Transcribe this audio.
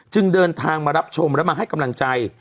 เดินทางมารับชมและมาให้กำลังใจ